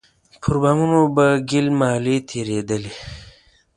پر بامونو به ګيل مالې تېرېدلې.